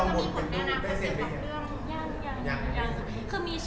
เลือกระมร่องบุส